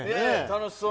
楽しそう。